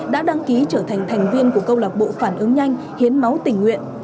đã đăng ký trở thành thành viên của câu lạc bộ phản ứng nhanh hiến máu tình nguyện